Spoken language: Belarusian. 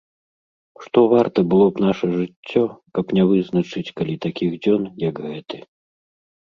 Што варта было б наша жыццё, каб не вызначыць калі такіх дзён, як гэты.